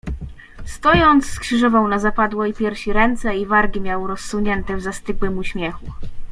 "Stojąc, skrzyżował na zapadłej piersi ręce i wargi miał rozsunięte w zastygłym uśmiechu."